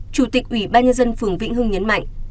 chủ tịch ủy ban nhân dân phường vĩnh hưng nhấn mạnh